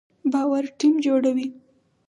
باور ټیم جوړوي